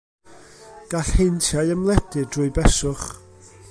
Gall heintiau ymledu drwy beswch.